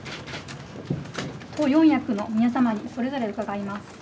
党四役の皆様に、それぞれ伺います。